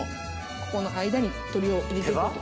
ここの間に鶏を入れて行くと。